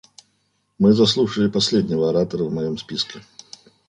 Мы заслушали последнего оратора в моем списке.